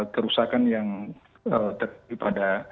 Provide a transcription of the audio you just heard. kerusakan yang terjadi pada